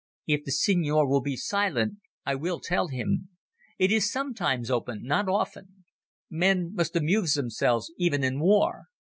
"If the Signor will be silent I will tell him. It is sometimes open—not often. Men must amuse themselves even in war.